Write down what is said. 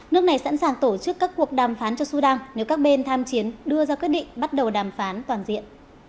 nước này sẵn sàng tổ chức các cuộc đàm phán cho sudan nếu các bên tham chiến đưa ra quyết định bắt đầu đàm phán toàn diện